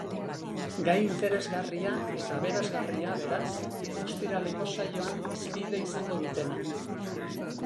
Gai interesgarria eta aberasgarria, beraz, ostiraleko saioan hizpide izango dutena.